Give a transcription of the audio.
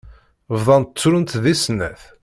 Bdant ttrunt deg snat.